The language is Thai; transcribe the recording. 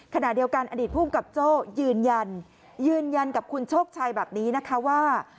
ขณะเดียวกันอดีตผู้กำกับโจ้ยืนยันยืนยันกับคุณโชคชัยแบบนี้นะคะว่า